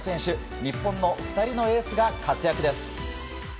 日本の２人のエースが活躍です。